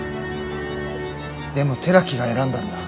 でも寺木が選んだんだ。